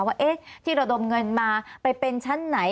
ว่าที่ระดมเงินมาไปเป็นชั้นไหน